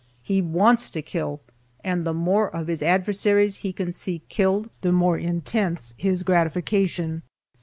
He wants to kill, and the more of his adversaries he can see killed, the more intense his gratification.